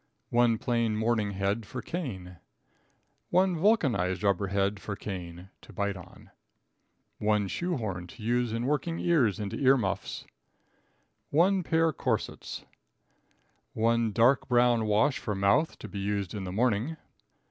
1 Plain Mourning Head for Cane. 1 Vulcanized Rubber Head for Cane (to bite on). 1 Shoe horn to use in working Ears into Ear Muffs. 1 Pair Corsets. 1 Dark brown Wash for Mouth, to be used in the morning.